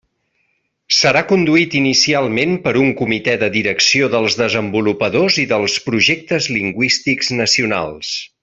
Serà conduït inicialment per un Comitè de Direcció dels desenvolupadors i dels projectes lingüístics nacionals.